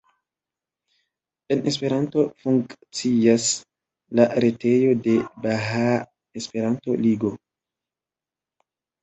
En Esperanto funkcias la retejo de Bahaa Esperanto-Ligo.